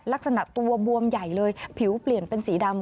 ลักษณะตัวบวมใหญ่เลยผิวเปลี่ยนเป็นสีดำ